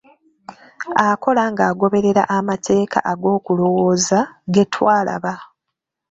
Akola ng'agoberera amateeka ag'okulowooza, ge twalaba.